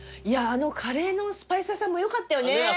いやあのカレーのスパイス屋さんもよかったよね。